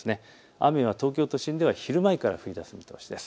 雨は東京都心では昼前から降りだす見通しです。